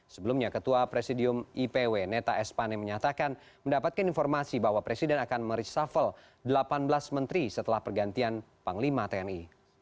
sebelumnya ketua presidium ipw neta espane menyatakan mendapatkan informasi bahwa presiden akan meresafel delapan belas menteri setelah pergantian panglima tni